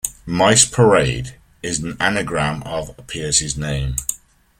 "Mice Parade" is an anagram of Pierce's name.